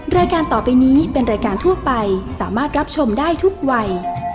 รายการต่อไปนี้เป็นรายการทั่วไปสามารถรับชมได้ทุกวัย